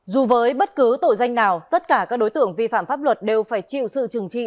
dù với bất cứ tội danh nào tất cả các đối tượng vi phạm pháp luật đều phải chịu sự trừng trị